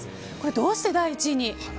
どうして第１位に？